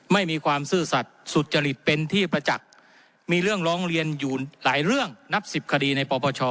ไม่มีความซื่อสัตว์สุจริตเป็นที่ประจักษ์มีเรื่องร้องเรียนอยู่หลายเรื่องนับสิบคดีในปปช